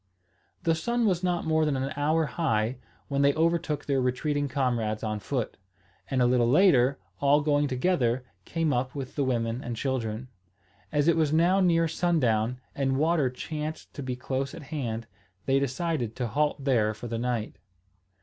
The sun was not more than an hour high, when they overtook their retreating comrades on foot, and a little later, all going together, came up with the women and children. As it was now near sundown, and water chanced to be close at hand, they decided to halt there for the night.